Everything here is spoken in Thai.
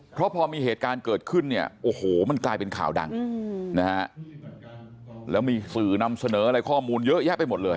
เพราะพอมีเหตุการณ์เกิดขึ้นเนี่ยโอ้โหมันกลายเป็นข่าวดังนะฮะแล้วมีสื่อนำเสนออะไรข้อมูลเยอะแยะไปหมดเลย